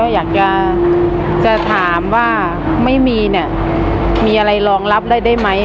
อยากจะถามว่าไม่มีเนี่ยมีอะไรรองรับได้ได้ไหม